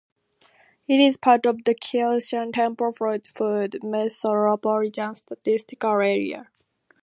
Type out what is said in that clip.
It is part of the Killeen-Temple-Fort Hood Metropolitan Statistical Area.